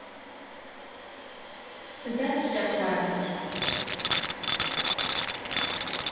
Sıda plhekhuats'er?